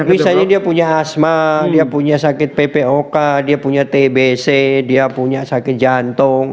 misalnya dia punya asma dia punya sakit ppok dia punya tbc dia punya sakit jantung